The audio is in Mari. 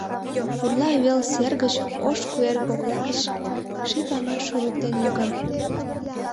Пурла вел сер гыч, ош куэр кокла гыч, ший памаш шоргыктен йоген.